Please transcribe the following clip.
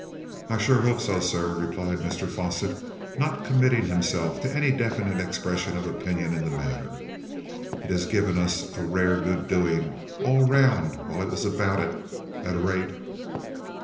"I'm sure I hope so, sir," replied Mr Fosset, not committing himself to any definite expression of opinion in the matter. "It has given us a rare good doing all round while it was about it, at an rate!"